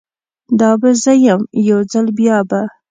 دا به زه یم، یو ځل بیا به